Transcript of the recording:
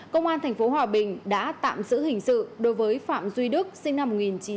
công an tp hòa bình đã tạm giữ hình sự đối với phạm duy đức sinh năm một nghìn chín trăm tám mươi